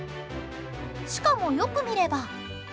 しかも、よく見れば。